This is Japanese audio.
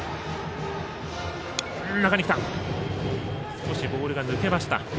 少しボールが抜けました。